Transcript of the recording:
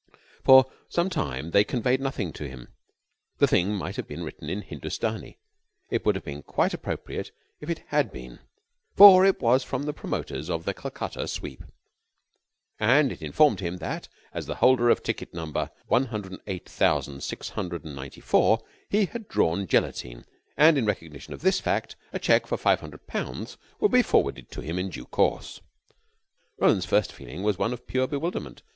For some time they conveyed nothing to him. The thing might have been written in Hindustani. It would have been quite appropriate if it had been, for it was from the promoters of the Calcutta Sweep, and it informed him that, as the holder of ticket number 108,694, he had drawn Gelatine, and in recognition of this fact a check for five hundred pounds would be forwarded to him in due course. Roland's first feeling was one of pure bewilderment.